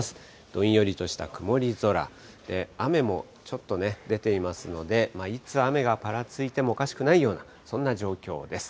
どんよりとした曇り空、雨もちょっとね、出ていますので、いつ雨がぱらついてもおかしくないような、そんな状況です。